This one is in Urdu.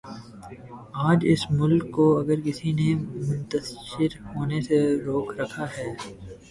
آج اس ملک کو اگر کسی نے منتشر ہونے سے روک رکھا ہے۔